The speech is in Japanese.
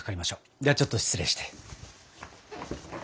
ではちょっと失礼して。